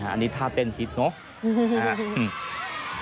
อันนี้ท่าเต้นฮิตเนอะ